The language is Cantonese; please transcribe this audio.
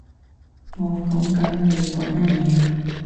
我講緊你嗰單嘢啊